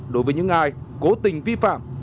đối với những ai cố tình vi phạm